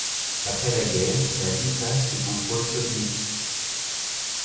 Après la guerre, la ville passe sous contrôle soviétique.